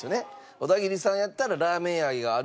小田桐さんやったらラーメン愛がある。